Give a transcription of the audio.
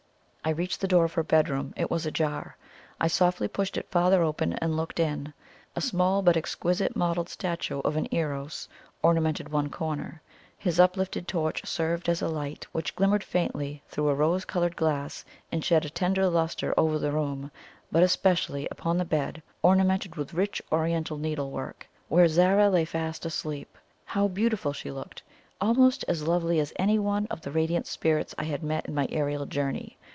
I reached the door of her bedroom it was ajar. I softly pushed it farther open, and looked in. A small but exquisitely modelled statue of an "Eros" ornamented one corner. His uplifted torch served as a light which glimmered faintly through a rose coloured glass, and shed a tender lustre over the room; but especially upon the bed, ornamented with rich Oriental needlework, where Zara lay fast asleep. How beautiful she looked! Almost as lovely as any one of the radiant spirits I had met in my aerial journey!